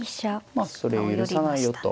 まあそれを許さないよと。